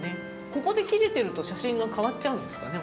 ここで切れてると写真が変わっちゃうんですかね